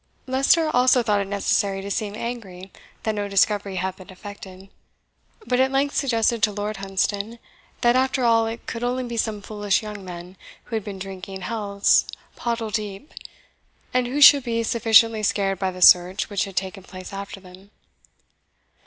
Leicester also thought it necessary to seem angry that no discovery had been effected; but at length suggested to Lord Hunsdon, that after all it could only be some foolish young men who had been drinking healths pottle deep, and who should be sufficiently scared by the search which had taken place after them.